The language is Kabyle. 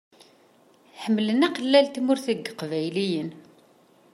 Ḥemmlen aqellal n Tmurt n yeqbayliyen?